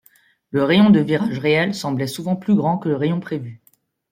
Le rayon de virage réel semblait souvent plus grand que le rayon prévu.